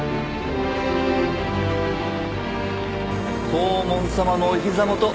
黄門様のお膝元。